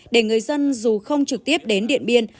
để người dân dù không trực tiếp đến điện biên